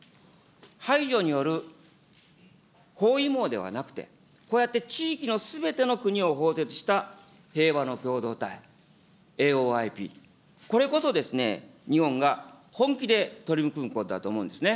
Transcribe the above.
排除による包囲網ではなくて、こうやって地域のすべての国を包摂した平和の共同体、ＡＯＩＰ、これこそですね、日本が本気で取り組むことだと思うんですね。